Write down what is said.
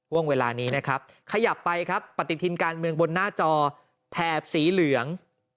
เวลานี้นะครับขยับไปครับปฏิทินการเมืองบนหน้าจอแถบสีเหลือง